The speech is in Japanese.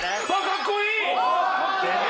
かっこいい！